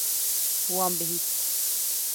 Wan bihîst.